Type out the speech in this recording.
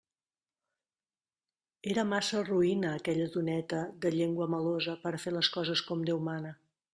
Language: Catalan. Era massa roïna aquella doneta de llengua melosa per a fer les coses com Déu mana.